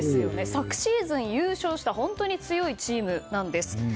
昨シーズン優勝した本当に強いチームなんです。